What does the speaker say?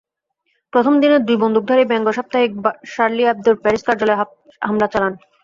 প্রথম দিনে দুই বন্দুকধারী ব্যঙ্গ সাপ্তাহিক শার্লি এবদোর প্যারিস কার্যালয়ে হামলা চালায়।